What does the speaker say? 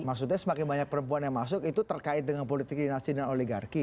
maksudnya semakin banyak perempuan yang masuk itu terkait dengan politik dinasti dan oligarki